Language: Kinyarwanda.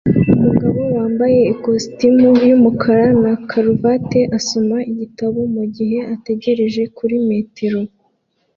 Umugabo wambaye ikositimu yumukara na karuvati asoma igitabo mugihe ategereje kuri metero